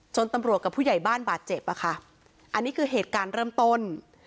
ตำรวจกับผู้ใหญ่บ้านบาดเจ็บอ่ะค่ะอันนี้คือเหตุการณ์เริ่มต้น